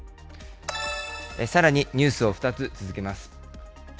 さらにニュースを２つ続けます。